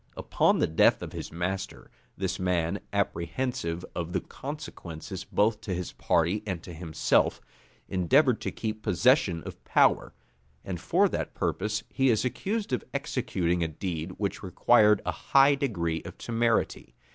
Upon the death of his master, this man, apprehensive of the consequences both to his party and to himself, endeavored to keep possession of power; and for that purpose he is accused of executing a deed which required a high degree of temerity.